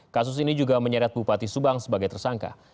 kasus ini juga menyeret bupati subang sebagai tersangka